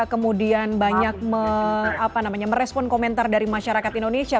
kemudian banyak merespon komentar dari masyarakat indonesia